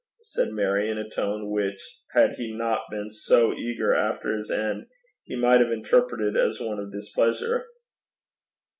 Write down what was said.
said Mary, in a tone which, had he not been so eager after his end, he might have interpreted as one of displeasure.